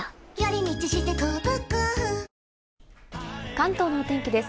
関東の天気です。